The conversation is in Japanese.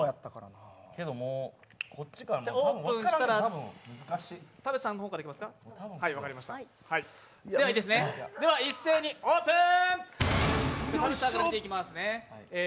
オープンしたら田渕さんの方からいきましょうでは一斉にオープン！